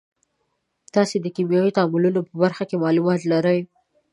تاسې د کیمیاوي تعاملونو په برخه کې معلومات لرئ.